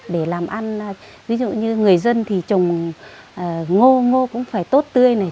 để làm ăn ví dụ như người dân thì trồng ngô ngô cũng phải tốt tươi này